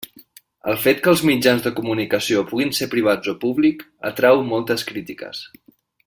El fet que els mitjans de comunicació puguin ser privats o públic atrau moltes crítiques.